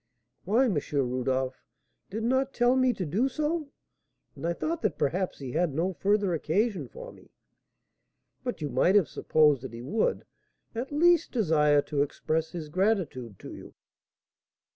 "Why, M. Rodolph did not tell me to do so, and I thought that perhaps he had no further occasion for me." "But you might have supposed that he would, at least, desire to express his gratitude to you."